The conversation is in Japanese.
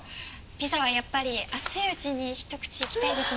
ピザはやっぱり熱いうちに一口いきたいですもんね。